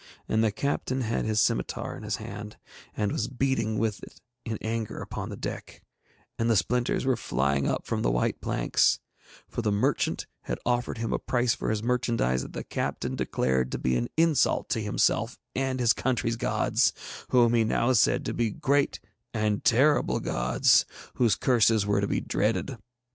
And the captain had his scimitar in his hand, and was beating with it in anger upon the deck, and the splinters were flying up from the white planks; for the merchant had offered him a price for his merchandise that the captain declared to be an insult to himself and his country's gods, whom he now said to be great and terrible gods, whose curses were to be dreaded.